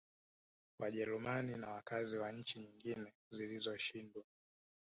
Wajerumani na wakazi wa nchi nyingine zilizoshindwa